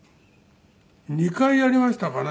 ２回やりましたかね。